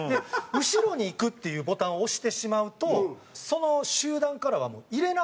後ろに行くっていうボタンを押してしまうとその集団からはもういられなくなるんですね。